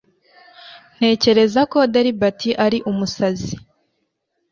ntekereza ko delbert ari umusazi